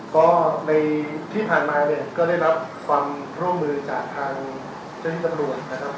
ก็ที่ผ่านมาเนี่ยก็ได้รับความร่วมมือจากทางเจ้าพิเศษอัตโหรอภัยประโยชน์นะครับ